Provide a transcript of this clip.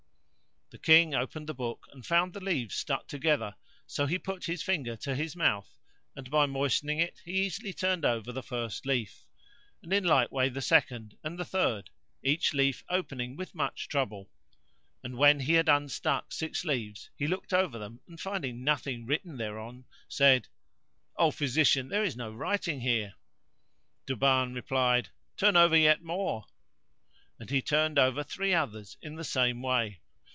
The King opened the book, and found the leaves stuck together; so he put his finger to his mouth and, by moistening it, he easily turned over the first leaf, and in like way the second, and the third, each leaf opening with much trouble; and when he had unstuck six leaves he looked over them and, finding nothing written thereon, said, "O physician, there is no writing here!" Duban re plied, "Turn over yet more;" and he turned over three others in the same way.